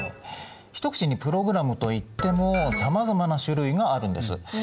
一口にプログラムといってもさまざまな種類があるんです。